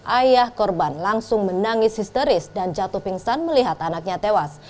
ayah korban langsung menangis histeris dan jatuh pingsan melihat anaknya tewas